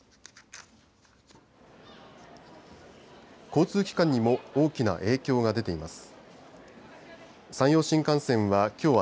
交通機関にも大きな影響が出ています。